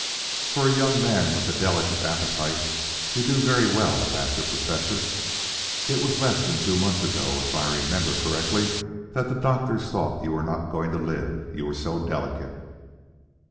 "For a young man with a delicate appetite, you do very well," laughed the Professor. "It wag less than two months ago, if I remember correctly, that the doctors thought you were not going to live, you were so delicate."